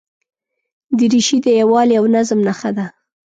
دریشي د یووالي او نظم نښه ده.